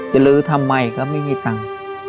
ลื้อทำไมก็ไม่มีตังค์